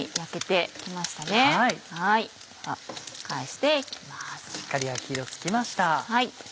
しっかり焼き色つきました。